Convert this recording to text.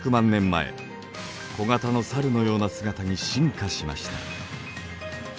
小型の猿のような姿に進化しました。